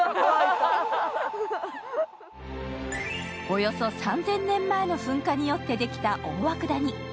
およそ３０００年前の噴火によってできた大涌谷。